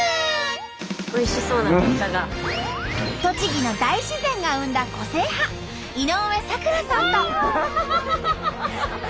栃木の大自然が生んだ個性派井上咲楽さんと。